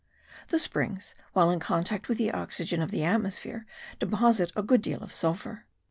The springs, while in contact with the oxygen of the atmosphere, deposit a good deal of sulphur.